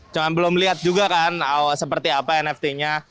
cuma belum lihat juga kan seperti apa nft nya